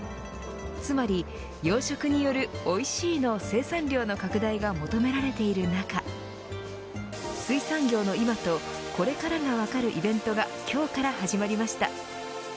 つまり、養殖によるおいしいの生産量の拡大が求められている中水産業の今とこれからが分かるイベントが今日から始まりました。